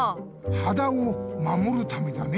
はだを守るためだね。